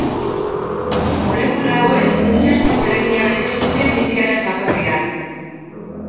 Molekula hauek funtsezko zeregina bete zuten biziaren jatorrian.